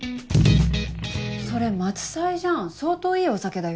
それ松祭じゃん相当いいお酒だよ。